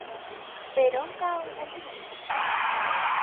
Per on cau Alginet?